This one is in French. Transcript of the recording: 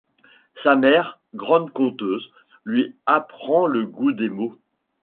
Sa mère, grande conteuse, lui apprend le goût des mots.